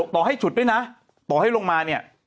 ต่อให้ฉุดด้วยนะต่อให้ลงมาเนี่ย